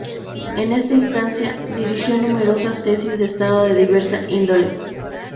En esta instancia, dirigió numerosas tesis de Estado de diversa índole.